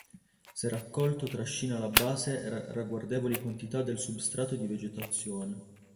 Se raccolto trascina alla base ragguardevoli quantità del substrato di vegetazione.